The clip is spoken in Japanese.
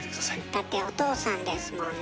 だってお父さんですもんね。